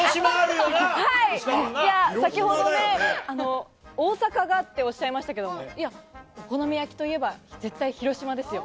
先ほど、大阪がっておっしゃいましたけども、いや、お好み焼きといえば絶対広島ですよ。